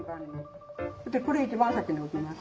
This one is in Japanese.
これ一番先に置きます。